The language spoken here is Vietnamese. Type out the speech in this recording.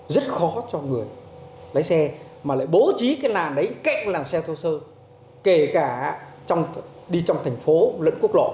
rất khó cho người lái xe mà lại bố trí cái làn đấy cạnh làn xe thô sơ kể cả đi trong thành phố lẫn quốc lộ